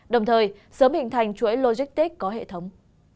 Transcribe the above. đồng thời sớm hình thành chuỗi logistics có hệ thống